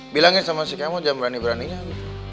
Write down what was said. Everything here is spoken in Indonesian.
bilangin sama si kemot jangan berani beraninya gitu